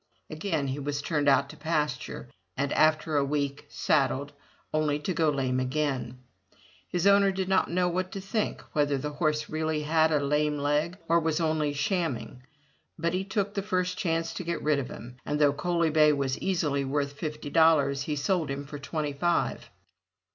Again he was turned out to pasture, and after a week, saddled, only to go lame again. His owner did not know what to think, whether the horse really had a lame leg or was only shamming, but he took the first chance to get rid of him, and though Coaly bay was easily worth fifty dollars, he sold him for twenty five.